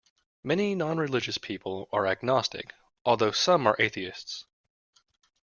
Many nonreligious people are agnostic, although some are atheists